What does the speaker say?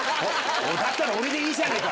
だったら俺でいいじゃねえか！